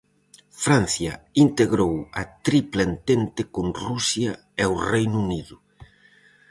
Francia integrou a Tripla Entente con Rusia e o Reino Unido.